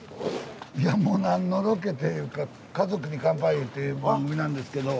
いやもう何のロケっていうか「家族に乾杯」っていう番組なんですけど。